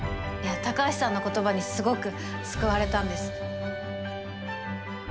いや高橋さんの言葉にすごく救われたんです。